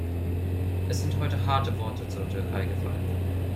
Es sind heute harte Worte zur Türkei gefallen.